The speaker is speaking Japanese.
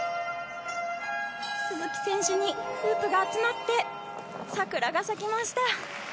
鈴木選手にフープが集まって桜が咲きました。